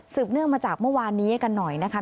เนื่องมาจากเมื่อวานนี้กันหน่อยนะคะ